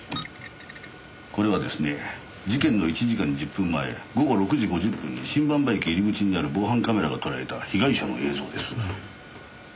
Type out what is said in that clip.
これはですね事件の１時間１０分前午後６時５０分に新馬場駅入り口にある防犯カメラがとらえた被害者の映像です。